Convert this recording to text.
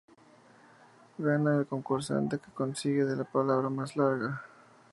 Gana el concursante que consigue la palabra más larga.